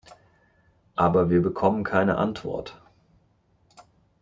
Aber wir bekommen keine Antwort.